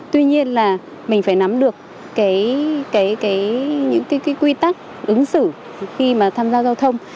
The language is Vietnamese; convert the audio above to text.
tuy nhiên là mình phải nắm được những quy tắc ứng xử khi mà tham gia giao thông